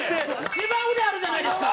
一番腕あるじゃないですか！